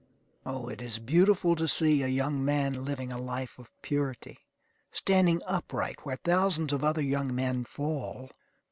O, it is beautiful to see a young man living a life of purity, standing upright where thousands of other young men fall.